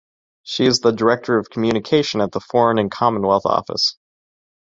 She is Director of Communication at the Foreign and Commonwealth Office.